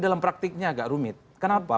dalam praktiknya agak rumit kenapa